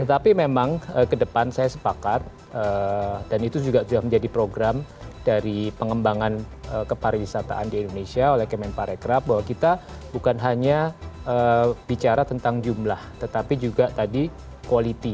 tetapi memang kedepan saya sepakat dan itu juga sudah menjadi program dari pengembangan kepariwisataan di indonesia oleh kemen parekraf bahwa kita bukan hanya bicara tentang jumlah tetapi juga tadi quality